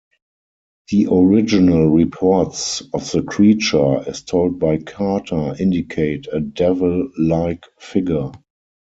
The original reports of the creature, as told by Carter, indicate a devil-like figure.